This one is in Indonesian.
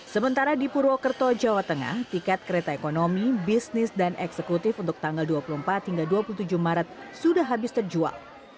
sementara di purwokerto jawa tengah tiket kereta ekonomi bisnis dan eksekutif untuk tanggal dua puluh empat hingga dua puluh tujuh maret sudah habis terjual